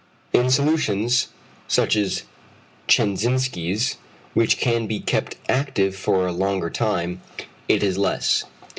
In solutions, such as Chenzinsky's, which can be kept active for a longer time, it is less.